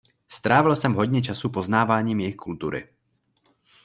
Strávil jsem hodně času poznáváním jejich kultury.